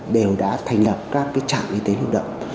đều đã thành lập các trạm y tế lưu động